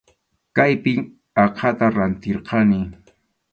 Kaypim aqhata rantirqani.